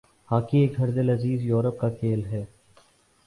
hockey ایک ہردلعزیز Europe کا کھیل ہے